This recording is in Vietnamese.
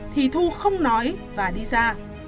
thì thu không nói và đi ra